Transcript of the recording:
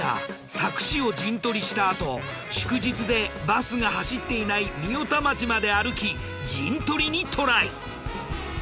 佐久市を陣取りしたあと祝日でバスが走っていない御代田町まで歩き陣取りにトライ。